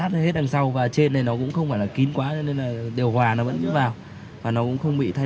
trình sau và trên này nó cũng không phải là kín quá nên là điều hòa nó vẫn vào và nó cũng không bị thay